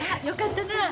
よかったな。